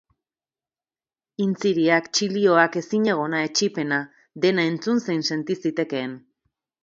Intziriak, txilioak, ezinegona, etsipena... dena entzun zein senti zitekeen.